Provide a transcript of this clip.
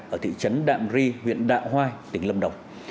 ở thị trấn đạm ri huyện đạ hoai tỉnh lâm đồng